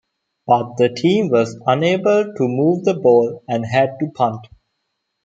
But the team was unable to move the ball and had to punt.